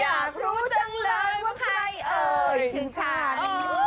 อยากรู้จังเลยว่าใครเอ่ยถึงฉัน